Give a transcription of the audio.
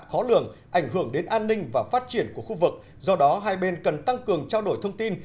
khó lường ảnh hưởng đến an ninh và phát triển của khu vực do đó hai bên cần tăng cường trao đổi thông tin